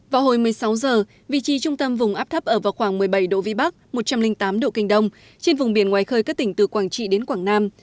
vào hồi một mươi sáu giờ vị trí trung tâm vùng áp thấp ở vào khoảng một mươi bảy độ vĩ bắc một trăm linh tám độ kinh đông trên vùng biển ngoài khơi các tỉnh từ quảng trị đến quảng nam